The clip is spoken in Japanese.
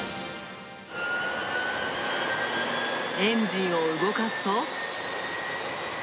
エンジンを動かすと。